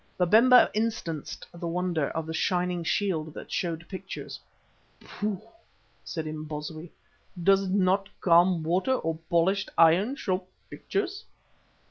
Babemba instanced the wonders of the shining shield that showed pictures. "Pooh!" said Imbozwi, "does not calm water or polished iron show pictures?"